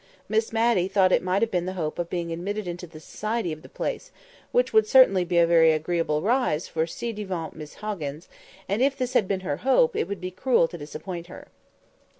Miss Matty thought it might have been the hope of being admitted into the society of the place, which would certainly be a very agreeable rise for ci devant Miss Hoggins; and if this had been her hope it would be cruel to disappoint her.